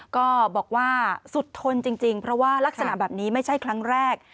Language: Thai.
ก็บอกว่าสุดทนจริงเพราะว่ารักษณะแบบนี้ไม่ใช่ครั้งแรก